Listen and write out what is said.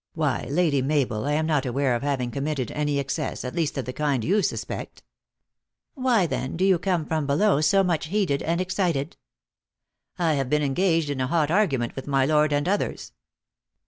" Why, Lady Mabel, I am not aware of having committed any excess, at least of the kind you suspect." "Why, then, do you come from below so much heated and excited ?" 264 THE ACTRESS IX HIGH LIFE. " I have "been engaged in a hot argument with my Lord, and others."